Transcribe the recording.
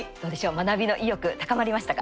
学びの意欲、高まりましたか？